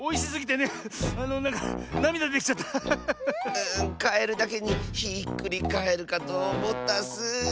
ううカエルだけにひっくりかえるかとおもったッス。